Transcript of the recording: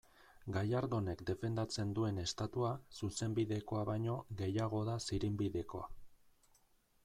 Gallardonek defendatzen duen Estatua, zuzenbidekoa baino, gehiago da zirinbidekoa.